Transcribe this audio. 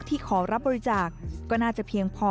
ขอรับบริจาคก็น่าจะเพียงพอ